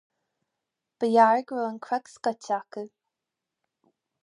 Ba ghearr go raibh an cnoc scoite acu